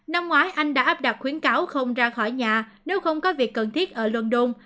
năm ngoái anh đã áp đặt khuyến cáo không ra khỏi nhà nếu không có việc cần thiết ở london